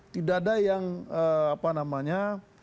tidak ada yang apa namanya